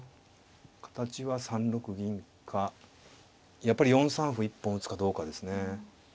形は３六銀かやっぱり４三歩一本打つかどうかですね。